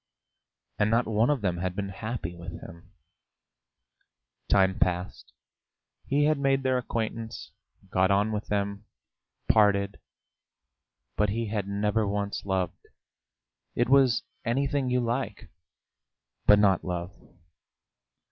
And not one of them had been happy with him. Time passed, he had made their acquaintance, got on with them, parted, but he had never once loved; it was anything you like, but not love.